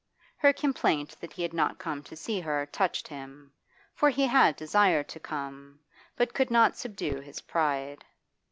Her complaint that he had not come to see her touched him, for he had desired to come, but could not subdue his pride.